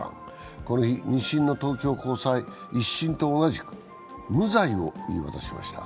この日、２審の東京高裁、１審と同じく無罪を言い渡しました。